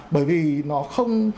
bởi vì nó không